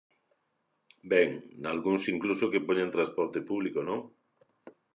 Ben, nalgúns incluso que poñan transporte público, ¿non?